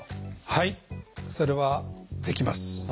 はいそれはできます。